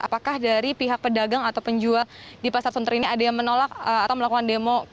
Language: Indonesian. apakah dari pihak pedagang atau penjual di pasar sunter ini ada yang menolak atau melakukan demo